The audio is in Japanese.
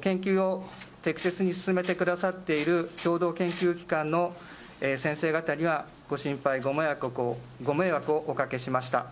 研究を適切に進めてくださっている共同研究機関の先生方にはご心配、ご迷惑をおかけしました。